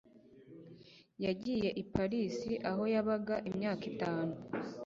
Yagiye i Paris, aho yabaga imyaka itanu